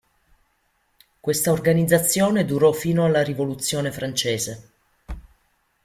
Questa organizzazione durò fino alla Rivoluzione francese.